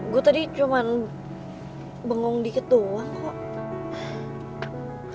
gue tadi cuman bengong dikit doang kok